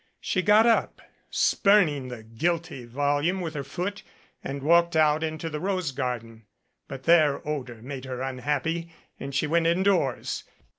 She got up, spurning the guilty volume with her foot and walked out into the rose garden. But their odor made her unhappy and she went indoors.